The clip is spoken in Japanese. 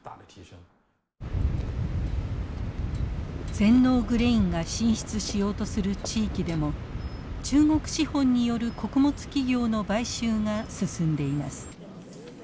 全農グレインが進出しようとする地域でも中国資本による穀物企業の買収が進んでいます。